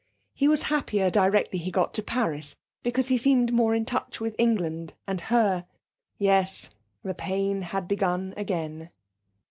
He was happier directly he got to Paris, because he seemed more in touch with England and her. Yes; the pain had begun again....